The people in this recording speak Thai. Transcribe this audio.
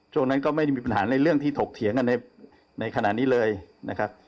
ช่วงนั้นก็ไม่ได้มีปัญหาในเรื่องที่ถกเถียงกันในขณะนี้เลยนะครับ